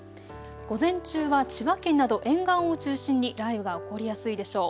午前中は千葉県など沿岸を中心に雷雨が起こりやすいでしょう。